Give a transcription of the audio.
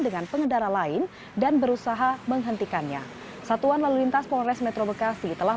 dengan pengendara lain dan berusaha menghentikannya satuan lalu lintas polres metro bekasi telah